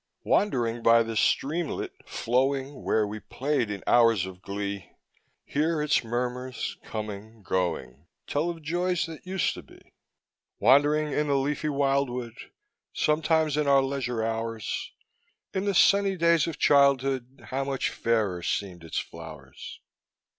Wandering by the streamlet flowing Where we played in hours of glee, Hear its murmurs coming, going, Tell of joys that used to be. Wandering in the leafy wildwood Sometimes in our leisure hours, In the sunny days of childhood How much fairer seemed its flowers!